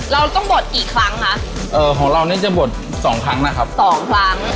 เราต้องบวชกี่ครั้งคะเอ่อของเรานี่จะบวชสองครั้งนะครับสองครั้ง